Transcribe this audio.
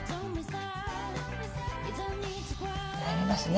悩みますね。